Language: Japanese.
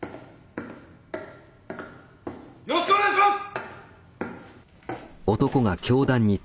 よろしくお願いします！